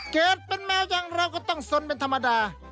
เกิดเป็นแมวอย่างเราก็ต้องสนเป็นธรรมดา